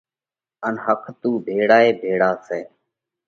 ان ۿک تو ڀِيۯا ئي ڀيۯا سئہ۔